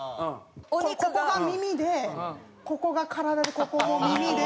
ここが耳でここが体でここも耳で。